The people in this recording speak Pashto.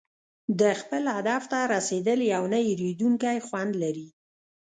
د خپل هدف ته رسېدل یو نه هېریدونکی خوند لري.